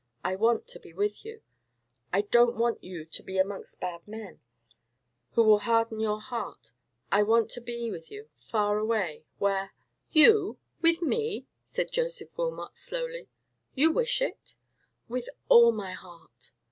I want to be with you. I don't want you to be amongst bad men, who will harden your heart. I want to be with you—far away—where——" "You with me?" said Joseph Wilmot, slowly; "you wish it?" "With all my heart!"